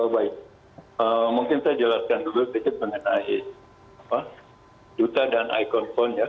baik mungkin saya jelaskan dulu sedikit mengenai duta dan ikon phone ya